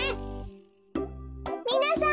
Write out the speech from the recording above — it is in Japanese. みなさん